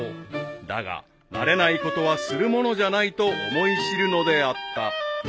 ［だが慣れないことはするものじゃないと思い知るのであった］